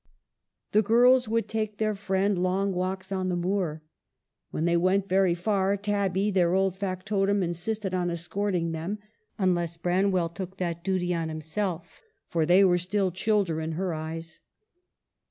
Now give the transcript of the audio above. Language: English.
The girls would take their friend long walks on the moor. When they went very far, Tabby, their old factotum, insisted on escorting them, unless Branwell took that duty on himself, for they were still "childer" in her eyes.